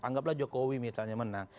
anggaplah jokowi misalnya menang